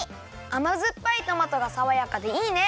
あまずっぱいトマトがさわやかでいいね！